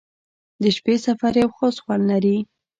• د شپې سفر یو خاص خوند لري.